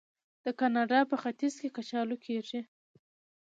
د کاناډا په ختیځ کې کچالو کیږي.